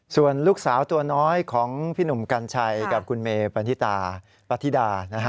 ส่วนลูกสาวตัวน้อยของพี่หนุ่มกัญชัยกับคุณเมปฏิดา